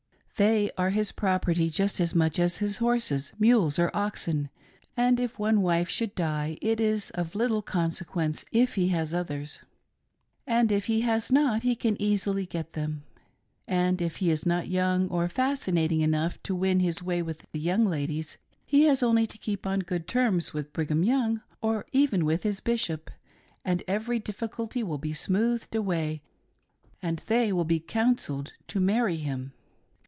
They are his prop erty just as much as his horses, mules, or oxen, and if one wife should die, it is of little consequence, if he has others, and if he has not he can easily get them ; and if he is not young or fascinating enough, to win his way with the young ladies, he has only to keep on good terms with Brigham Young, or even with his bishop, and every difficulty will be smoothed away, and they will be " counselled" to marry him.